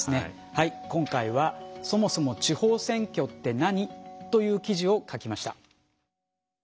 はい今回は「そもそも地方選挙って何？」という記事を書きました。